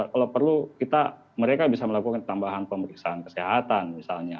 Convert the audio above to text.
kalau perlu kita mereka bisa melakukan tambahan pemeriksaan kesehatan misalnya